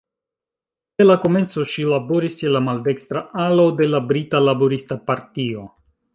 De la komenco ŝi laboris ĉe la maldekstra alo de la Brita Laborista Partio.